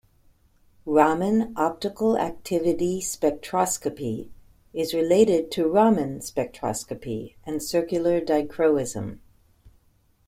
Raman optical activity spectroscopy is related to Raman spectroscopy and circular dichroism.